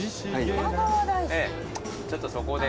ちょっとそこで。